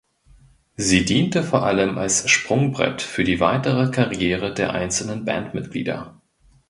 Sie diente vor allem als Sprungbrett für die weitere Karriere der einzelnen Bandmitglieder.